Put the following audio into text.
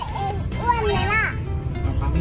ว่าหมาแไม่